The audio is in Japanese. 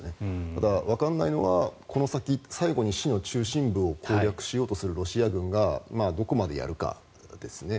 ただ、わからないのはこの先、最後に市の中心部を攻略しようとするロシア軍がどこまでやるかですね。